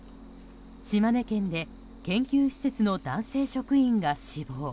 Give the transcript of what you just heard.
島根県で研究施設の男性職員が死亡。